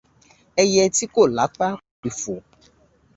Ẹyẹ tí kò lápá kò le fò.